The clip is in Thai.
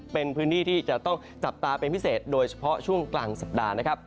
เป็นพื้นที่ที่จะต้องจับตาเป็นพิเศษโดยเฉพาะช่วงกลางสัปดาห์นะครับ